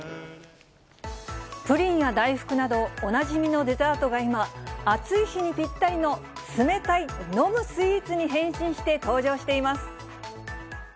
プリンや大福など、おなじみのデザートが今、暑い日にぴったりの冷たい飲むスイーツに変身して登場しています。